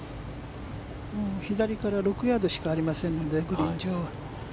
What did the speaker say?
左から６ヤードしかありませんので、グリーン上は。